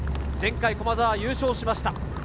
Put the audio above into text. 前回、駒澤は優勝しました。